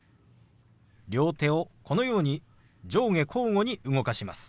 両手をこのように上下交互に動かします。